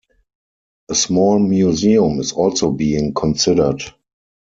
A small museum is also being considered.